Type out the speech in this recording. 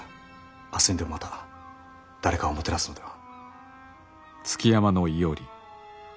明日にでもまた誰かをもてなすのでは。